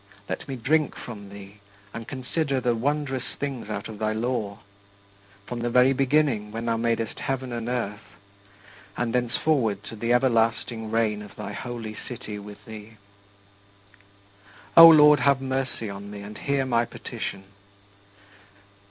" Let me drink from thee and "consider the wondrous things out of thy law" from the very beginning, when thou madest heaven and earth, and thenceforward to the everlasting reign of thy Holy City with thee. 4. O Lord, have mercy on me and hear my petition.